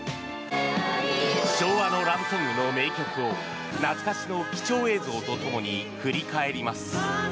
昭和のラブソングの名曲を懐かしの貴重映像と共に振り返ります。